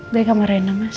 dari kamar reina mas